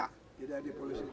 tidak di politisir